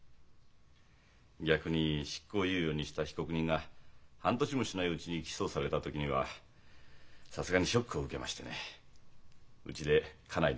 逆に執行猶予にした被告人が半年もしないうちに起訴された時にはさすがにショックを受けましてねうちで家内に当たったもんです。